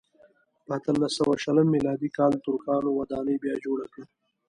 په اتلس سوه شلم میلادي کال ترکانو ودانۍ بیا جوړه کړه.